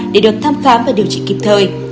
để được thăm khám và điều trị kịp thời